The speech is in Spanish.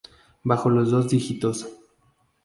Bajo los dos dígitos.